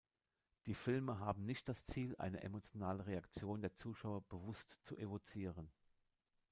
Die Filme haben nicht das Ziel, eine emotionale Reaktion der Zuschauer bewusst zu evozieren.